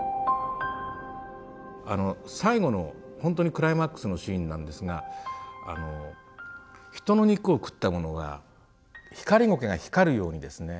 あの最後の本当にクライマックスのシーンなんですが人の肉を食った者がひかりごけが光るようにですね